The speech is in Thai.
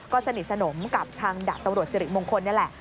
ก็สนิทสนมกับทางดาบตำรวจสิริมงคลนี่แหละ